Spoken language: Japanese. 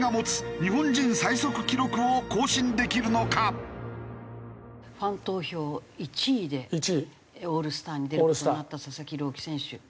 果たしてファン投票１位でオールスターに出る事になった佐々木朗希選手。